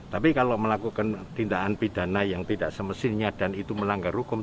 tapi kalau melakukan tindakan pidana yang tidak semestinya dan itu melanggar hukum